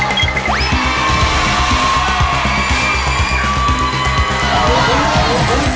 โอ้เจ๋งนิดนึง